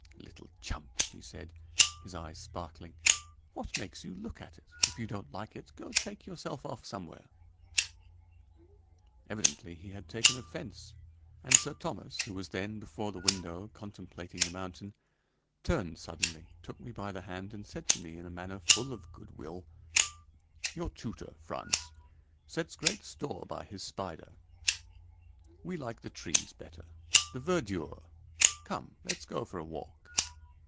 "Little chump," he said, his eyes sparkling, "what makes you look at it? If you don't like it, go take yourself off somewhere." Evidently he had taken offense; and Sir Thomas, who was then before the window contemplating the mountain, turned suddenly, took me by the hand, and said to me in a manner full of good will: "Your tutor, Frantz, sets great store by his spider; we like the trees better the verdure. Come, let's go for a walk."